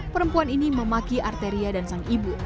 perempuan ini memaki arteria dan sang ibu